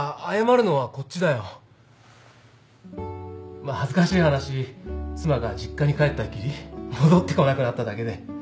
まあ恥ずかしい話妻が実家に帰ったっきり戻ってこなくなっただけで。